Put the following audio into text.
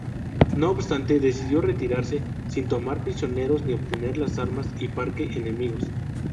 No obstante, decidió retirarse sin tomar prisioneros ni obtener las armas y parque enemigos.